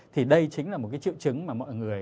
thì đây chính là một cái triệu chứng mà mọi người